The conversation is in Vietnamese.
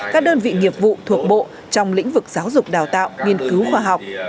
các đơn vị nghiệp vụ thuộc bộ trong lĩnh vực giáo dục đào tạo nghiên cứu khoa học